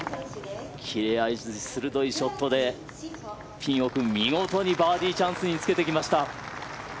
切れ味鋭いショットでピン奥見事にバーディーチャンスにつけてきました。